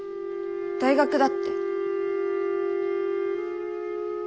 大学だって。